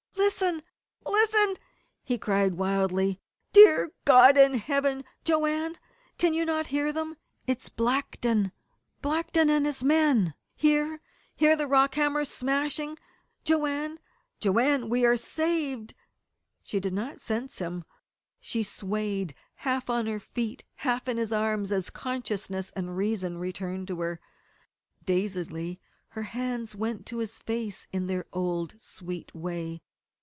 "Listen! Listen!" he cried wildly. "Dear God in Heaven, Joanne can you not hear them? It's Blackton Blackton and his men! Hear hear the rock hammers smashing! Joanne Joanne we are saved!" She did not sense him. She swayed, half on her feet, half in his arms, as consciousness and reason returned to her. Dazedly her hands went to his face in their old, sweet way.